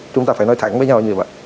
chúng ta phải nói thẳng với nhau như vậy